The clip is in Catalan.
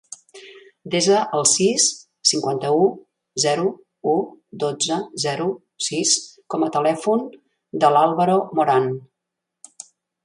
Desa el sis, cinquanta-u, zero, u, dotze, zero, sis com a telèfon del Álvaro Moran.